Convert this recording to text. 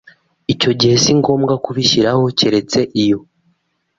Icyo gihe si ngombwa kubishyiraho keretse iyo